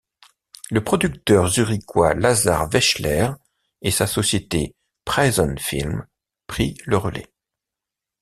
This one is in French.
Le producteur zurichois Lazar Wechsler et sa société Praesens-Film prit le relai.